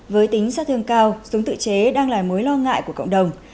với tính sát thương cao súng tự chế đang là mối lo ngại của cộng đồng